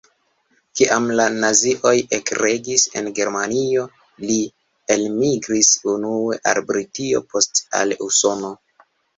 Kiam la nazioj ekregis en Germanio, li elmigris unue al Britio, poste al Usono.